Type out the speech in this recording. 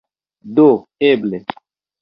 Do eble...